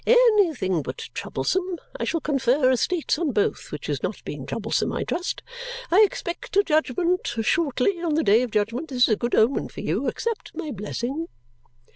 "Anything but troublesome. I shall confer estates on both which is not being troublesome, I trust? I expect a judgment. Shortly. On the Day of Judgment. This is a good omen for you. Accept my blessing!"